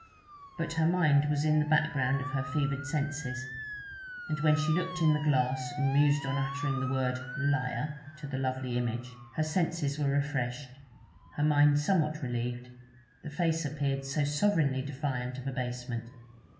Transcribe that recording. But her mind was in the background of her fevered senses, and when she looked in the glass and mused on uttering the word, 'Liar!' to the lovely image, her senses were refreshed, her mind somewhat relieved, the face appeared so sovereignly defiant of abasement.